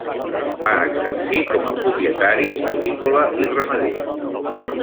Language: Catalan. Va exercir com a propietari agrícola i ramader.